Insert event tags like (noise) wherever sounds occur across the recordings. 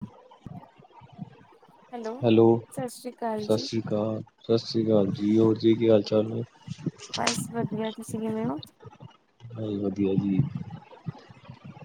(unintelligible) Hello ਸਤਿ ਸ੍ਰੀ ਅਕਾਲ ਸਤਿ ਜੀ ਸ੍ਰੀ ਅਕਾਲ, ਸਤਿ ਸ਼੍ਰੀ ਅਕਾਲ ਜੀ, ਹੋਰ ਜੀ ਕੀ ਹਾਲ ਚਾਲ ਨੇ? ਬਸ ਵਧੀਆ, ਤੁਸੀਂ ਕਿਵੇਂ ਔ? ਹਾਂ ਵਧੀਆ ਜੀ,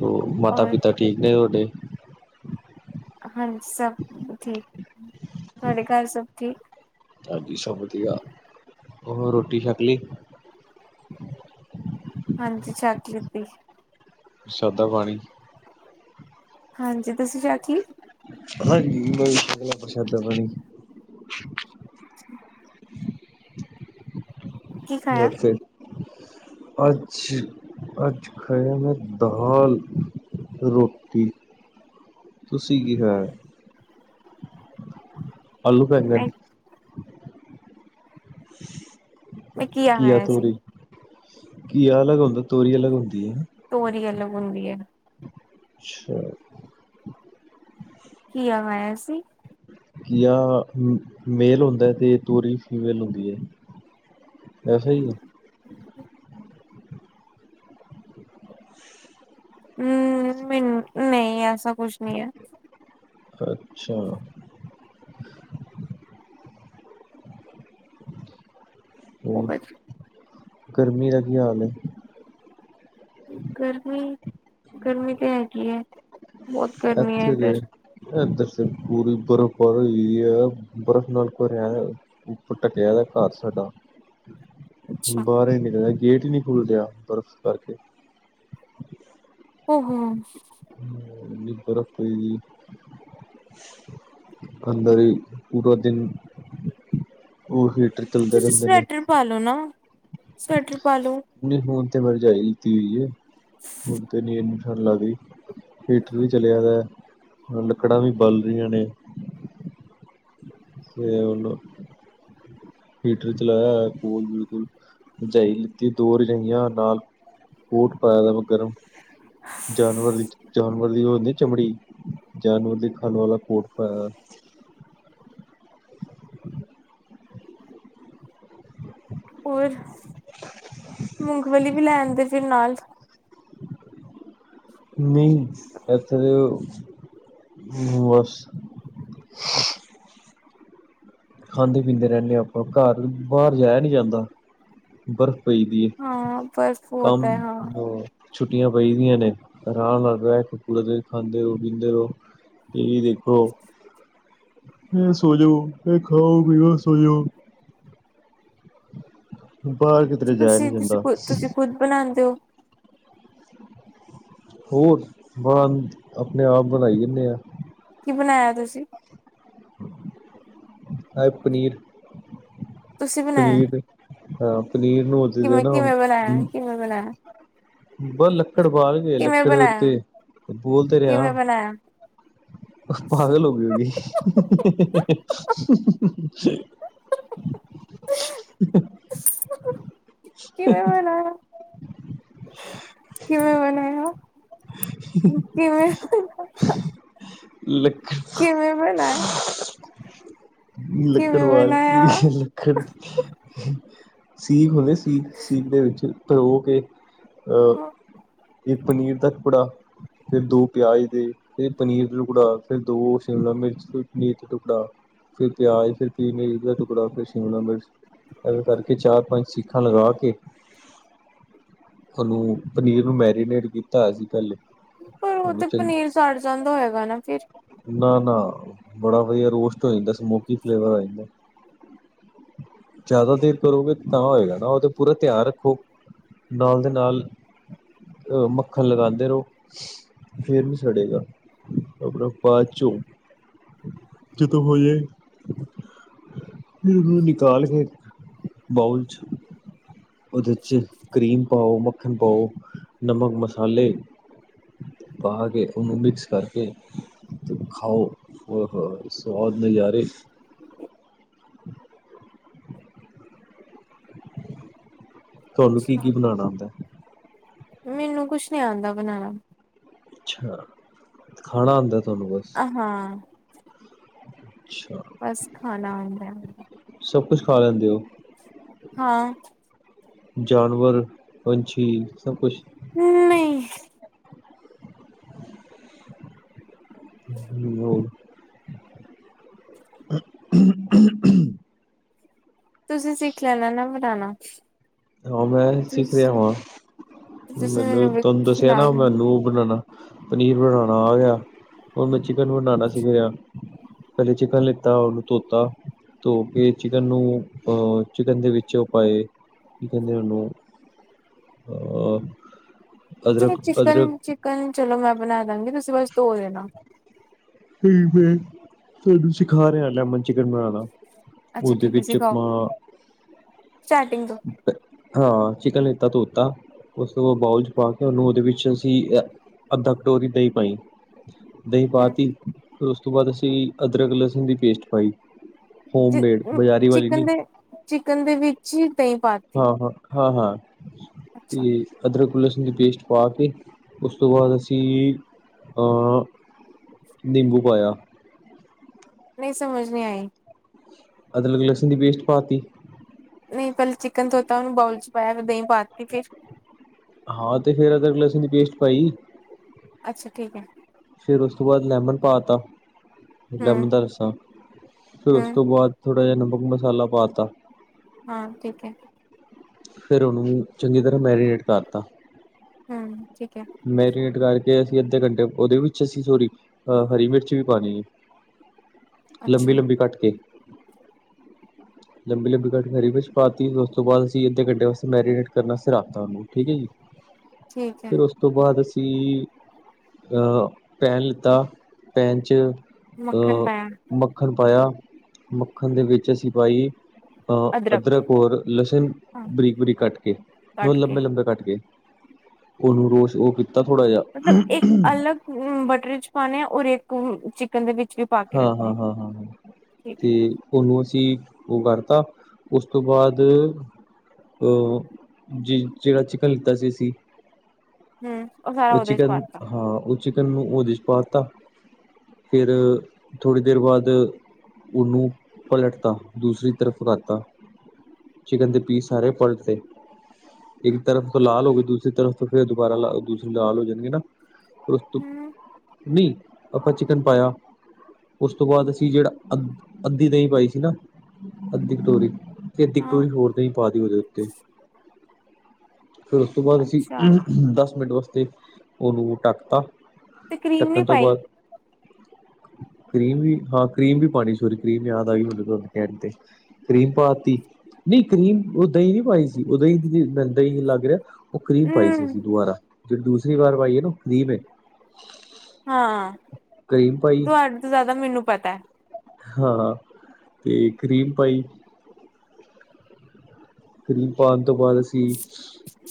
ਉਹ ਮਾਤਾ ਔਰ ਪਿਤਾ ਠੀਕ ਨੇ ਤੁਹਾਡੇ ਹਾਂਜੀ ਸਭ ਠੀਕ ਤੁਹਾਡੇ ਘਰ ਸਭ ਠੀਕ, ਹਾਂਜੀ ਸਭ ਵਧੀਆ ਹੋਰ ਰੋਟੀ ਛਕਲੀ ਹਾਂਜੀ ਛਕ ਲਿਤੀ ਪ੍ਰਸ਼ਾਦਾ ਪਾਣੀ, ਹਾਂਜੀ ਤੁਸੀਂ ਕਿਹਾ ਕੀ, ਹਾਂਜੀ ਬ ਪ੍ਰਸ਼ਾਦਾ ਪਾਣੀ, (unintelligible) ਕੀ ਖਾਇਆ ਹੋਰ ਫੇਰ ਅੱਜ ਅੱਜ ਖਾਇਆ ਮੈਂ ਦਾਲ ਰੋਟੀ, ਤੁਸੀਂ ਕੀ ਖਾਇਆ? ਆਲੂ ਮੈਂ ਬੈਂਗਨ, ਮੈਂ ਘੀਆ ਖਾਇਆ ਸੀ। ਘੀਆ ਅਲੱਗ ਹੁੰਦਾ ਤੋਰੀ ਅਲੱਗ ਹੁੰਦੀ। ਹੈ ਤੋਰੀ ਯੇਲੋ, ਹੁੰਦੀ ਹੈ। ਅੱਛਾ, ਘੀਆ ਖਾਇਆ ਸੀ। ਘੀਆ ਮੇਲ ਹੁੰਦਾ ਤੇ ਤੋਰੀ ਫੀਮੇਲ ਹੁੰਦੀ ਹੈ, ਐਸਾ ਹੀ ਐ। ਹੂੰ, ਮ ਨੀ ਐਸਾ ਕੁਛ ਨੀ ਐ। ਅੱਛਾ, ਉਹ ਹੋਰ, ਬਸ ਗਰਮੀ ਦਾ ਕੀ ਹਾਲ ਐ? ਗਰਮੀ-ਗਰਮੀ ਤਾਂ ਹੈਗੀ ਹੈ? ਬਹੁਤ ਗਰਮੀ ਹੈ ਇੱਥੇ ਦੇ ਇੱਧਰ ਇਧਰ ਤੇ ਪੂਰੀ ਬਰਫ਼ ਉਪਰ ਹੋਈ ਔਈ ਐ ਬਰਫ਼ ਨਾਲ ਭਰਿਆ ਏ ਉੱਪਰ ਢੱਕਿਆ ਹੋਇਐ ਘਰ ਸਾਡਾ ਅੱਛਾ ਬਾਹਰ ਹੀ (unintelligible) ਗੇਟ ਈ ਨਹੀਂ ਖੁੱਲ੍ਹ ਰਿਹਾ ਬਰਫ਼ ਕਰਕੇ, ਔਹੋ, (unintelligible) ਬਰਫ਼ ਪਈ ਗਈ ਅੰਦਰ ਈ ਪੂਰਾ ਦਿਨ ਉਹਹੀ ਤੁਸੀਂ ਸਵੈਟਰ ਪਾਲੋ ਨਾ। ਸਵੈਟਰ ਪਾ ਲੋ ਨਹੀਂ ਹੁਣ ਮੈਂ ਰਜਾਈ ਲੀਤੀ ਹੋਈ ਐ। ਹੁਣ ਤਾਂ ਨੀਂ ਏਨ ਠੰਡ ਲੱਗਦੀ ਹੀਟਰ ਵੀ ਚਲਾਿਆ ਦਾ ਐ, ਲੱਕੜਾਂ ਵੀ ਬੱਲ ਰਹੀਆਂ ਨੇ ਤੇ ਉਹਨੂੰ ਹੀਟਰ ਚਲਾਇਆ ਕੋਲ ਬਿਲਕੁਲ ਰਜਾਈ ਲਿੱਤੀ ਦੋ ਰਜਾਈਆਂ ਨਾਲ ਕੋਟ ਪਾਇਆ ਦਾ ਵ ਗਰਮ ਜਾਨਵਰ ਦੀ ਜਾਨਵਰ ਦੀ ਉਹ ਹੁੰਦੀ ਚਮੜੀ ਜਾਨਵਰ ਦੀ ਖਣ ਵਾਲਾ ਕੋਟ ਪਾਇਆ। ਹੋਰ ਮੂੰਗਫਲੀ ਵੀ ਲੈ ਆਂਦੇ ਫਿਰ ਨਾਲ। ਨਹੀਂ ਇੱਥੇ ਦੇ ਬਸ (unintelligible) ਖਾਂਦੇ, ਪੀਂਦੇ ਰਹਿੰਣੇ ਆਪਾਂ ਘਰ ਬਾਹਰ ਜਾਇਆ ਨ੍ਹੀਂ ਜਾਂਦਾ ਬਰਫ ਪਈਦੀ ਐ ਹਾਂ ਬਰਫ਼ ਹੋਤਾ ਕੰਮ ਹੈ ਹਾਂ ਛੁੱਟੀਆਂ ਪਈਦੀਆਂ ਨੇ ਆਰਾਮ ਨਾਲ ਰਹਿ ਕੇ ਕੁਲ ਖਾਂਦੇ ਰਹੋ ਪੀਂਦੇ ਰਹੋ ਟੀ ਵੀ ਦੇਖੋ ਫਿਰ ਸੋਜੋ ਇਹ ਖਾਓ ਪੀਓ ਸੋਜੋ। ਬਾਹਰ ਕਿਧਰੇ ਕਿ ਜਾਆ ਨੀਂ ਤੁਸੀਂ ਤੁਸੀਂ ਜਾਂਦਾ। ਖੁਦ ਤੁਸੀਂ ਖੁਦ ਬਣਾਉਂਦੇ ਹੋ ਹੋਰ ਬਣ ਆਪਣੇ ਆਪ ਬਣਾਈ ਜਾਂਣੇ ਆਂ। ਕੀ ਬਣਾਇਆ ਤੁਸੀਂ? ਏ ਪ ਪਨੀਰ। ਤੁਸੀਂ ਬਣਾਇਆ ਪਨੀਰ ਹਾਂ ਪਨੀਰ ਨੂੰ ਜਿਵੇਂ ਕਿਵੇਂ ਨਾਂ ਕਿਵੇਂ ਬਣਾਇਆ ਮ ਕਿਵੇਂ ਬਣਾਇਆ ਬਸ ਲੱਕੜ ਬਾਲ ਕੇ ਲੱਕੜ ਦੇ ਉੱਤੇ ਬੋਲ ਤਰਿਆ ਕਿਵੇਂ ਬਣਾਇਆ ਪਾਗਲ ਹੋ ਗੀ ਹੋ ਗੀ। (unintelligible) (unintelligible) (unintelligible) ਕਿਵੇਂ ਹੋਣਾ। ਕਿਵੇਂ ਬਣਾਇਆ? ਕਿਵੇਂ? ਲਕ ਕਿਵੇਂ ਬਣਾਇਆ? ਲੱਕੜ ਕਿਵੇਂ ਵਾਲ ਬਣਾਇਆ ਕੇ ਲੱਕੜ। ਸੀ (unintelligible) ਸੀ ਸੀਟ ਦੇ ਵਿੱਚ ਧੋ ਕੇ ਅਹ ਇਹ ਪਨੀਰ ਦਾ ਟੁਕੜਾ ਫਿਰ ਦੋ ਪਿਆਜ਼ ਦੇ, ਫਿਰ ਪਨੀਰ ਦਾ ਟੁਕੜਾ, ਫਿਰ ਦੋ ਸ਼ਿਮਲਾ ਮਿਰਚ ਪਨੀਰ ਦਾ ਟੁਕੜਾ, ਫਿਰ ਪਿਆਜ਼ ਫਿਰ ਪੀ ਮ ਦਾ ਟੁ ਕੜਾ ਫਿਰ ਸ਼ਿਮਲਾ ਮਿਰਚ। ਕਰਕੇ ਚਾਰ, ਪੰਜ ਸਿੱਖਾਂ ਲਗਾ ਕੇ, ਉਹਨੂੰ ਪਨੀਰ ਨੂੰ ਮੈਰੀਨੇਟ ਕੀਤਾ ਸੀ। (unintelligible) ਪਰ ਉਹ ਤੇ ਪਹਿਲੇ ਪਨੀਰ ਸਾੜ ਜਾਂਦਾ, ਹੈਗਾ ਨਾ ਫਿਰ ਨਾ, ਨਾ ਬੜਾ ਵਧੀਆ ਰੋਸਟ ਹੋ ਜਾਂਦਾ ਸਮੋਕੀ ਫਲੇਵਰ ਆ ਜਾਂਦਾ, ਜ਼ਿਆਦਾ ਦੇਰ ਕਰੋਗੇ ਤਾਂ ਹੋਏਗਾ ਨਾ ਉਹ ਤੇ ਪੂਰਾ ਧਿਆਨ ਰੱਖੋ ਨਾਲ ਦੇ ਨਾਲ ਮੱਖਣ ਲਗਾਉਂਦੇ ਰਹੋ ਫੇਰ ਨੀ ਸੜੇਗਾ। ਬਾਅਦ ਚੋਂ ਜਦੋਂ ਹੋ ਜਾਏ, ਉਹਨੂੰ ਨਿਕਾਲ ਕੇ ਬਾਊਲ ਚ ਉਹਦੇ ਕਰੀਮ ਪਾਓ, ਮੱਖਣ ਪਾਓ, ਨਮਕ ਮਸਾਲੇ ਪਾ ਕੇ ਉਹਨੂੰ ਮਿਕਸ ਕਰਕੇ ਖਾਓ ਓਹੋ ਸਵਾਦ ਨਜਾਰੇ ਤੁਹਾਨੂੰ ਕੀ- ਕੀ ਬਣਾਉਣਾ ਆਉਂਦਾ ਮੈਨੂੰ ਕੁੱਛ ਨੀ ਆਉਂਦਾ ਬਣਾਉਣਾ। ਅੱਛਾ, ਖਾਣਾ ਆਉਦਾ। ਆਹ, ਹਾਂ। ਅੱਛਾ ਬਸ ਖਾਣਾ ਆਉਂਦਾ। ਕੁੱਛ ਖਾ ਲੈਂਦੇ ਓ ਹਾਂ। ਜਾਨਵਰ- ਪੰਛੀ ਸਭ ਕੁੱਛ ਨਈ ਹੋਰ ਤੁਸੀਂ ਸਿੱਖ ਲੈਣਾ ਨਾ ਬ ਨਾਨਾ ਹਾਂ ਮੈਂ ਸਿੱਖ ਰਿਹਾ ਵਾਂ ਤੁਸੀਂ ਮੈਨੂੰ ਤੁਹਾਨੂੰ ਦੱਸਿਆ ਖਿਲਾ ਨਾ ਦੇਣਾ ਮੈਨੂੰ ਬਣਾਉਣਾ ਪਨੀਰ ਬਣਾਉਣਾ ਆ ਗਿਆ ਉਹ ਮੈਂ ਚਿਕਨ ਬਣਾਉਣਾ ਸਿਖ ਗਿਆ ਪਹਿਲੇ ਚਿਕਨ ਲਿੱਤਾ ਓਹਨੂੰ ਧੋਤਾ ਧੋ ਕੇ ਚਿਕਨ ਨੂੰ ਅਹ ਚਿਕਨ ਦੇ ਵਿੱਚ ਪਾਏ ਕੀ ਕਹਿੰਦੇ ਓਹਨੂੰ ਚਿਕਨ-ਚਿਕਨ ਚਲੋ ਮੈਂ ਬਣਾ ਦਵਾਂਗੇ, ਤੁਸੀਂ ਬਸ ਧੋ ਦੇਣਾ ਹੂੰ-ਹੂੰ ਥੋਨੂੰ ਸਿਖਾ ਰਿਹਾ ਲੈਮਨ ਚਿਕਨ ਬਣਾਣਾ। ਅੱਛਾ ਉਹਦੇ ਠੀਕ ਹੈ ਵਿੱਚ ਸਿਖਾਓ ਆਪਾਂ ਸਟਾਰਟਿੰਗ ਤੋਂ ਹਾਂ ਚਿਕਨ ਅੱਧਾ ਧੋਤਾ ਉਸ ਤੋਂ ਬਾਉਲ 'ਚ ਪਾ ਕੇ ਉਹਨੂੰ ਉਹਦੇ ਵਿੱਚ ਅਸੀਂ ਅੱਧਾ ਕਟੋਰੀ ਦਹੀਂ ਪਾਈ ਦਹੀਂ ਪਾਤੀ ਫੇਰ ਉਸ ਉਸ ਤੋਂ ਬਾਅਦ ਅਸੀਂ ਅਦਰਕ ਲਸਣ ਦੀ ਪੇਸਟ ਪਾਈ ਚੀ ਹੋਮਮੇਡ ਬਜ਼ਾਰੀ ਚਿਕਨ ਦੇ ਚਿਕਨ ਦੇ ਵਿੱਚ ਈ ਹਾਂ-ਹਾਂ-ਹਾਂ-ਹਾਂ। ਅੱਛਾ ਤੇ ਅਦਰਕ ਲਸਣ ਦੀ ਪੇਸਟ ਪਾ ਕੇ ਉਸ ਤੋਂ ਬਾਅਦ ਅਸੀਂ ਨਿੰਬੂ ਅ ਪਾਇਆ ਨਹੀਂ ਸਮਝ ਨਹੀਂ ਆਈ। ਅਦਰਲ ਲਸਣ ਦੀ ਪੇਸਟ ਪਾ ਤੀ। ਨਹੀਂ ਪਹਿਲਾਂ ਚਿਕਨ ਧੋਤਾ ਉਹਨੂੰ ਬਾਊਲ ਚ ਪਾਇਆ ਫਿਰ ਦਹੀਂ ਪਾ ਤੀ ਫੇਰ। ਹਾਂ, ਤੇ ਫੇਰ ਅਦਰਕ ਲਸਣ ਦੀ ਪੇਸਟ ਪਾਈ। ਅੱਛਾ ਠੀਕ ਹੈ। ਫੇਰ ਉਸ ਤੋਂ ਬਾਅਦ ਲੈਮਨ ਪਾ ਤਾ। ਹੂੰ ਲੈਮਨ ਦਾ ਰੱਸਾਂ, ਫਿਰ ਉਸ ਹੂੰ ਤੋਂ ਬਾਅਦ। ਥੋੜਾ ਜਿਹਾ ਨਮਕ ਮਸਾਲਾ ਪਾ ਤਾ। ਹਾਂ ਠੀਕ ਹੈ। ਫਿਰ ਉਹਨੂੰ ਚੰਗੀ ਤਰ੍ਹਾਂ ਮੈਰੀਨੇਟ ਕਰਤਾ। ਹੂੰ। ਠੀਕ ਹੈ ਮੈਰੀਨੇਟ ਕਰ ਤੇ ਅਸੀਂ ਅੱਧੇ ਘੰਟੇ ਉਹਦੇ ਵਿੱਚ ਅਸੀਂ ਥੋੜੀ ਅਹ ਹਰੀ ਮਿਰਚ ਵੀ ਪਾਣੀ ਹੈ। ਲੰਬੀ ਅੱਛਾ ਲੰਬੀ ਕੱਟ ਕੇ। ਲੰਬੀ ਲੰਬੀ ਕੱਟ ਹਰੀ ਵਿੱਚ ਪਾਤੀ ਉਸ ਤੋਂ ਬਾਅਦ ਅਸੀਂ ਅੱਧੇ ਘੰਟੇ ਵਾਸਤੇ ਮੈਰੀਨੇਟ ਕਰਨ ਵਾਸਤੇ ਰੱਖਤਾ ਉਹਨੂੰ ਠੀਕ ਹੈ ਜੀ। ਠੀਕ ਹੈ। ਫਿਰ ਉਸ ਤੋਂ ਬਾਅਦ ਅਸੀਂ ਅ ਪੈਨ ਲਿੱਤਾ ਪੈਨ ਚ ਮੱਖਣ ਅ ਪਾਇਆ ਮੱਖਣ ਪਾਇਆ। ਮੱਖਣ ਦੇ ਵਿੱਚ ਅਸੀ ਪਾਈ ਅਹ ਅਦਰਕ ਔਰ ਲਸਣ ਹਾਂ ਬਰੀਕ ਬਰੀਕ ਕੱਟ ਕੇ ਨ ਕੱਟ ਕੇ ਲੰਬੇ ਲੰਬੇ ਕੱਟ ਕੇ। ਉਹਨੂੰ ਰੋਸ ਉਹ ਮਤਲਬ ਇੱਕ ਅਲੱਗ ਬਟਰ ਚ ਪਾਣੇ ਔਰ ਇੱਕ ਚਿਕਨ ਦੇ ਵਿੱਚ। ਵੀ ਪਾ ਕੇ ਹਾਂ ਹਾਂ ਰੱਖਣੇ ਹਾਂ ਹਾਂ ਹਾਂ ਠੀਕ ਹੈ ਤੇ ਉਹਨੂੰ ਅਸੀ ਉਹ ਕਰਤਾ ਉਸ ਤੋਂ ਬਾਅਦ ਅਹ ਜ ਜਿਹੜਾ ਚਿਕਨ ਲਿੱਤਾ ਸੀ ਅਸੀ ਹੂੰ, ਸਾਰਾ ਉਹ ਉਹਦੇ ਚ ਚਿਕਨ ਪਾਤਾ ਹਾਂ। ਚਿਕਨ ਨੂੰ ਉਹਦੇ ਚ ਪਾ ਤਾ, ਫੇਰ ਥੋੜ੍ਹੀ ਦੇਰ ਬਾਅਦ ਉਹਨੂੰ ਪਲਟ ਤਾ ਦੂਸਰੀ ਤਰਫ ਕਰਤਾ ਚਿਕਨ ਦੇ ਪੀਸ ਸਾਰੇ ਪਲਟਤੇ ਇੱਕ ਤਰਫ ਤੋਂ ਲਾਲ ਹੋਗੇ ਦੂਸਰੀ ਤਰਫ਼ ਤੋਂ ਫਿਰ ਦੁਬਾਰਾ ਲਾਲ ਦੂਸ ਲਾਲ ਹੋ ਜਣਗੇ ਨਾ। ਪ੍ਰਸਤੁਤ ਹੂੰ ਨਹੀਂ ਆਪਾਂ ਚਿਕਨ ਪਾਇਆ ਉਸ ਤੋਂ ਬਾਅਦ ਅਸੀਁ ਜਿਹੜਾ ਅੱ ਅੱਧੀ ਦਹੀਂ ਪਾਈ ਸੀ ਨਾ ਅੱਧੀ ਕਟੋਰੀ। ਤੇ ਅਦੀ ਹਾਂ ਕਟੋਰੀ ਹੋਰ ਦਹੀ ਪਾ ਦਿਓ ਓਦੇ ਉੱਤੇ। ਫੇਰ ਉਸ ਤੋਂ ਬਾਅਦ ਅਸੀਂ ਅੱਛਾ ਦਸ ਮਿੰਟ ਵਾਸ ਤੇ ਉਹਨੂੰ ਢੱਕ ਤਾ। ਤੇ ਕਰੀਮ ਨੀ ਪਾਈ, ਕਰੀਮ ਵੀ ਹਾਂ ਕਰੀਮ ਵੀ ਪਾਣੀ ਸੋਰੀ ਕਰੀਮ ਯਾਦ ਆ ਗਈ, ਮੈਨੂੰ ਤੁਹਾਨੂੰ ਕਹਿਣ ਤੇ ਕਰੀਮ ਪਾ ਤੀ ਨਹੀਂ ਕਰੀਮ ਉਹ ਦਹੀਂ ਨੀ ਪਾਈ ਸੀ, ਉਹ ਦਹੀਂ ਦਹੀਂ ਲੱਗ ਰਿਹਾ। ਉਹ ਕਰੀਬ ਪਾਈ ਸੀ ਹੂੰ ਅਸੀਂ ਦੁਬਾਰਾ ਦੂਸਰੀ ਵਾਰ ਆਈਏ ਨਾ ਫਰੀ ਮੇ ਹਾਂ, ਪਾਈ ਤੁਹਾਡੇ ਤੋਂ ਜ਼ਿਆਦਾ ਮੈਨੂੰ ਪਤਾ ਹੈ। ਹਾਂ, ਤੇ ਕਰੀਮ ਪਾਈ ਕਰਿਮ ਪਾਉਣ ਤੋਂ ਬਾਅਦ ਅਸੀਂ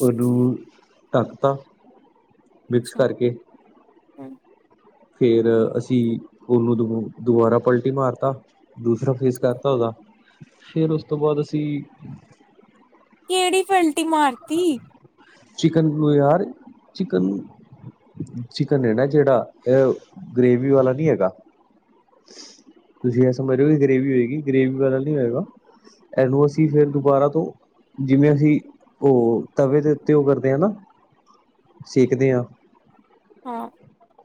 ਉਹਨੂੰ ਢੱਕਤਾ। ਅੱਛਾ ਫੇਰ ਅਸੀਂ ਉਹਨੂੰ ਦ ਦੁਬਾਰਾ ਪਲਟੀ ਮਾਰਤਾ, ਦੂਸਰਾ ਫੇਸ ਕਰਤਾ ਉਹਦਾ ਫੇਰ ਉਸ ਤੋਂ ਬਾਅਦ ਅਸੀਂ ਕਿਹੜੀ ਫਲਟੀ ਮਾਰਤੀ?? ਚਿਕਨ ਯਾਰ ਚਿਕਨ, ਚਿਕਨ ਹੈ ਨਾ ਜਿਹੜਾ ਇਹ ਗਰੇਵੀ ਵਾਲਾ ਨੀ ਹੈਗਾ। ਤੁਸੀਂ ਇਹ ਸਮਝਓ ਕਿ ਗਰੇਵੀ ਹੋਏਗੀ ਗਰੇਵੀ ਵਾਲਾ ਨ ਹੈਗਾ। ਇਹਨੂੰ ਅਸੀਂ ਫਿਰ ਦੁਬਾਰਾ ਤੋਂ ਜਿਵੇਂ ਅਸੀਂ ਉਹ ਤਵੇ ਦੇ ਉੱਤੇ ਉਹ ਕਰਦੇ ਆ ਨਾ, ਸੇਖਦੇ ਹਾਂ ਹਾਂ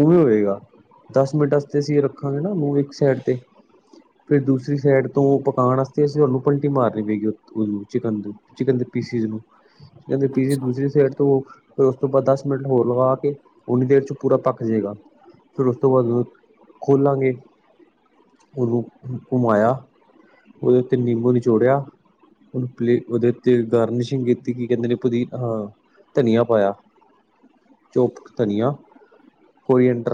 ਉ ਵੀ ਹੋਵੇਗਾ। ਦਸ ਮਿੰਟ ਵਾਸਤੇ ਅਸੀਂ ਰੱਖਾਂਗੇ ਨਾ ਉਹਨੂੰ ਇੱਕ ਸਾਈਡ ਤੇ ਫਿਰ ਦੂਸਰੀ ਸਾਈਡ ਤੋਂ ਪਕਾਉਣ ਵਾਸਤੇ ਅਸੀਂ ਉਹਨੂੰ ਪਲਟੀ ਮਾਰਨੀ ਪਏਗੀ ਚਿਕਨ, ਚਿਕਨ ਦੇ ਪੀਸਿਸ ਨੂੰ ਪੀੇ ਅੱਛਾ ਦੂਸਰੀ ਸਾਈਡ ਤੋਂ ਫਿਰ ਉਸ ਤੋਂ ਬਾਅਦ ਦਸ ਮਿੰਟ ਹੋਰ ਲਗਾ ਕੇ ਓਨੀ ਦੇਰ ਚ ਪੂਰਾ ਪੱਕ ਜਾਏਗਾ ਫਿਰ ਉਸ ਤੋਂ ਬਾਅਦ ਉਹਨੂੰ ਖੋਲਾਂਗੇ, ਉਹਨੂੰ ਘੁਮਾਇਆ, ਉਹਦੇ ਉੱਤੇ ਨਿੰਬੂ ਨਿਚੋੜਿਆ, ਉਹਨੂੰ ਪਲੇ ਉਹਦੇ ਉੱਤੇ ਗਾਰਨਿਸ਼ਿੰਗ ਕੀਤੀ ਕਿ ਕਹਿੰਦੇ ਨੇ ਪੂਦੀ ਅਹ ਧਨੀਆ ਪਾਇਆ ਚੋਪ ਧਨੀਆ ਕੋਈ ਐੰਟਰ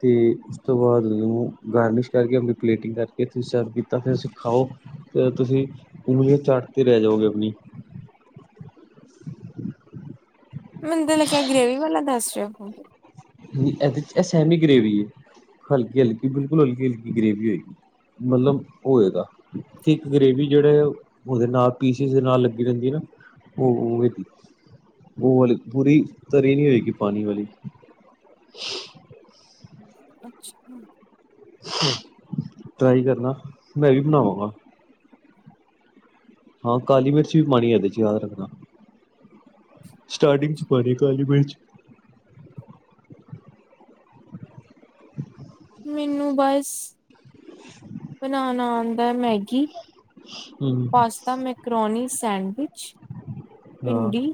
ਤੇ ਉਸ ਤੋਂ ਬਾਅਦ ਉਹਨੂੰ ਗਾਰਨਿਸ਼ ਕਰਕੇ ਆਪਣੀ ਪਲੇਟਿੰਗ ਕਰਕੇ ਤੁਸੀਂ ਸਰਵ ਕੀਤਾ ਫਿਰਸੀਂ ਖਾਓ ਅਤੇ ਤੁਸੀਂ ਉਗਲੀ ਚੱਟ ਤੇ ਰਹਿ ਜਾਓਗੇ ਆਪਣੀ ਮੈਨੂੰ ਤੇ ਲੱਗੀਆਂ ਗ੍ਰੇਵੀ ਵਾਲਾ ਦੱਸ ਰਹੇ ਹੋ (inaudible) ਇਹਦੇ ' ਇਹ ਸੈਮੀ ਗਰੇੇਵੀ ਹੈ। ਹਲਕੀ -ਹਲਕੀ ਬਿਲਕੁਲ ਹਲਕੀ- ਹਲਕੀ ਗਰੇੇਵੀ ਹੋਗੀ ਮਤਲਬ ਹੋਵੇਗਾ ਤੇ ਇੱਕ ਗਰੇਵੀ ਜਿਹੜਾ ਉਹਦੇ ਨਾਲ ਪੀਸਿਸ ਦੇ ਨਾਲ ਲੱਗੀ ਜਾਂਦੀ ਹੈ ਨਾ ਉਹਗੀ ਉਹ ਵਾਲ ਪੂਰੀ ਤਰੀ ਨਹੀਂ ਹੋਏਗੀ ਪਾਣੀ ਵਾਲੀ (unintelligible) (inaudible) ਟਰਾਈ ਕਰਨਾ, ਮੈਂ ਵੀ ਬਣਾਵਾਂਗਾ। ਹਾਂ, ਕਾਲੀ ਮਿਰਚ ਵੀ ਪਾਣੀ ਹੈ ਇਹਦੇ' ਚ ਯਾਦ ਰੱਖਣਾ ਸਟਾਰਟਿੰਗ ਚ ਪਾਨੀ ਕਾਲੀ ਮਿਰਚ ਨੂੰ ਬਸ ਬਨਣਾ ਮੈਂ ਮੈਗੀ ਹੂੰ ਪਾਸਤਾ, ਮੈਕਰੋਨੀ, ਸੈਂਡਵਿਚ, ਹਾਂ ਭਿੰਡੀ,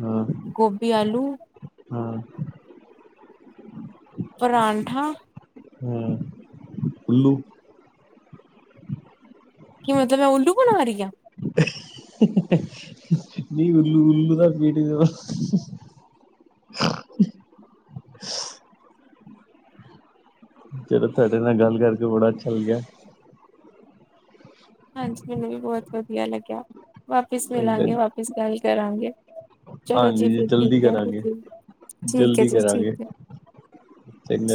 ਹਾਂ ਗੋਭੀ -ਆਲੂ ਹਾਂ ਪਰਾਂਠਾ ਹ ਅਲੂ ਕੀ ਮਤਲਬ ਮੈਂ ਉੱਲੂ ਬਣਾ ਰਹੀ ਆ! ! (unintelligible) ਚਲੋ ਤੁਹਾਡੇ ਨਾਲ ਗੱਲ ਕਰਕੇ ਬੜਾ ਅੱਛਾ ਲੱਗਿਆ। ਹਾਂਜੀ, ਮੈਨੂੰ ਵੀ ਬਹੁਤ ਵਧੀਆ ਲੱਗਿਆ। ਵਾਪਿਸ ਮਿਲਾਂਗੇ, ਵਾਪਿਸ ਗੱਲ ਕਰਾਂਗੇ ਚਲੋ ਹਾਂਜੀ ਜੀ, ਫਿਰ ਠੀਕ ਜਲਦੀ ਹੈ ਤੁ ਕਰਾਂਗੇ ਠੀਕ ਹੈ ਜਲਦੀ ਜੀ, ਠੀਕ ਕਰਾਂਗੇ ਹੈ,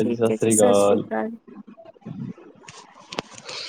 ਠੀਕ ਹੈ ਜੀ, ਸਤਿ ਸ੍ਰੀ ਅਕਾਲ